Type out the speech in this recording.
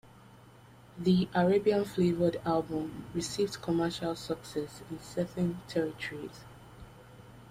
The Arabian-flavoured album received commercial success in certain territories.